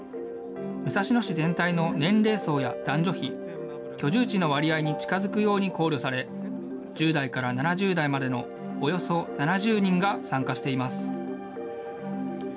武蔵野市全体の年齢層や男女比、居住地の割合に近づくように考慮され、１０代から７０代までのおよそ７０人が参加しています。